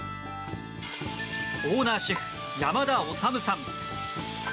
オーナーシェフ、山田理さん。